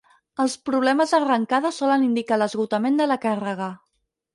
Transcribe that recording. Els problemes d'arrencada solen indicar l'esgotament de la càrrega.